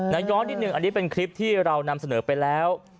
ย้อนนิดนึงอันนี้เป็นคลิปที่เรานำเสนอไปแล้ว